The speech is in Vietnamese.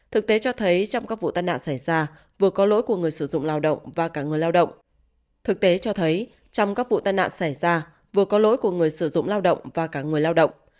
thực tế cho thấy trong các vụ tên nạn xảy ra vừa có lỗi của người sử dụng lao động và cả người lao động